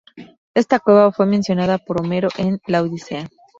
Esta cueva fue mencionada por Homero en la "Odisea".